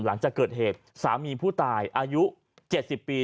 หรังจากเกิดเหตุสามีผู้ตายอายุเจ็ดสิบปี